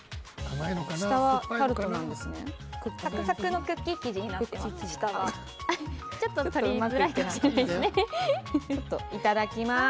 サクサクのクッキー生地になっています。